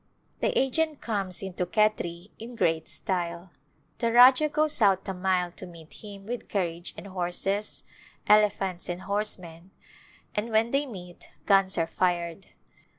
The agent comes into Khetri in great style. The Rajah goes out a mile to meet him with carriage and horses, elephants and horsemen, and when they meet guns are fired.